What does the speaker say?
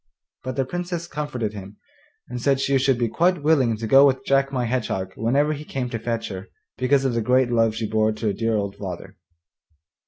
But the Princess comforted him, and said she should be quite willing to go with Jack my Hedgehog whenever he came to fetch her, because of the great love she bore to her dear old father.